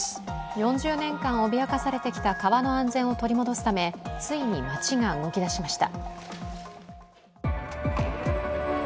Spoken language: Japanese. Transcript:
４０年間脅かされてきた川の安全を取り戻すため、ついに町が動き出しました。